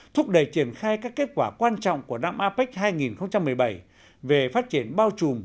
thúc đẩy triển khai các kết quả quan trọng của năm apec hai nghìn một mươi bảy về phát triển bao trùm